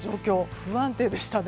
不安定でしたね。